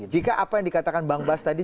jika apa yang dikatakan bang bas tadi